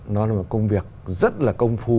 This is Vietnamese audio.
nó là một công việc rất là công phu